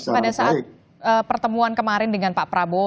pada saat pertemuan kemarin dengan pak prabowo